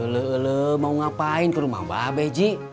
lo lo mau ngapain ke rumah mbak abe d